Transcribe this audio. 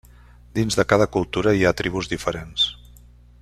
Dins de cada cultura hi ha tribus diferents.